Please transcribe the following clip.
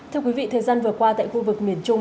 thưa quý vị thời gian vừa qua tại khu vực miền trung